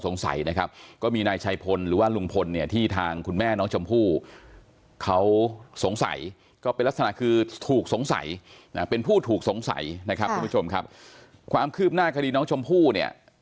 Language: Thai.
สงสัยนะครับก็มีนายไชพลกอมีนายชัยพลหรือว่าลุงภลเนี่ย